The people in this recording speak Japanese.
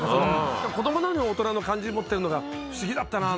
子供なのに大人の感じ持ってるのが不思議だったな。